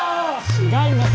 違います。